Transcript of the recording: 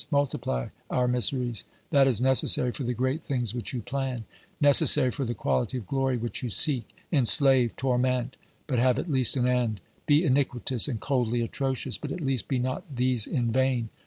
Multiply our miseries, that is necessary for the great things which you plan, necessary for the quality of glory which you seek ; enslave, torment, but have at least an end ; be iniquitous and coldly atrocious, but at least be not these in vain.